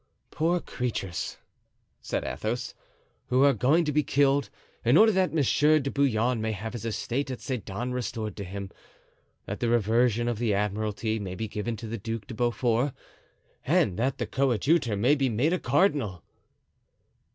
"Poor creatures!" said Athos, "who are going to be killed, in order that Monsieur de Bouillon may have his estate at Sedan restored to him, that the reversion of the admiralty may be given to the Duc de Beaufort, and that the coadjutor may be made a cardinal."